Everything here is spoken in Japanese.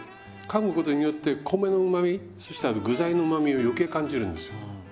かむことによって米のうまみそしてあの具材のうまみを余計感じるんですよ。